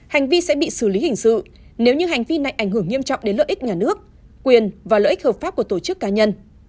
hành vi sẽ bị xử lý hình sự nếu như hành vi này ảnh hưởng nghiêm trọng đến lợi ích nhà nước quyền và lợi ích hợp pháp của tổ chức cá nhân